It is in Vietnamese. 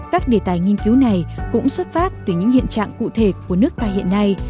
các đề tài nghiên cứu này cũng xuất phát từ những hiện trạng cụ thể của nước ta hiện nay